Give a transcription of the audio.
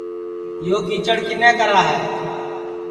یو کیچڑ کِنے کرا ہے